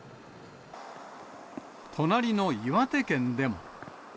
隣の岩手県でも。